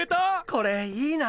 これいいな。